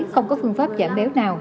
không có phương pháp giảm béo nào